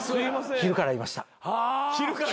昼からいました。